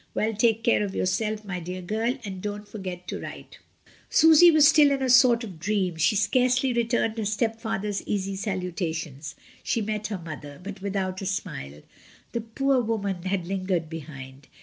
Well, take care of yourself, my dear girl, and don't forget to write." Susy was still in a sort of dream; she scarcely retimied her stepfather's easy salutations. She met her mother, but without a smile. The poor woman had lingered behind.